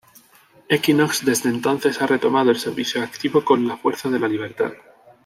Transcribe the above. Equinox desde entonces ha retomado el servicio activo con la Fuerza de la Libertad.